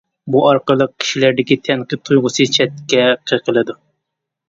بۇ ئارقىلىق كىشىلەردىكى تەنقىد تۇيغۇسى چەتكە قېقىلىدۇ.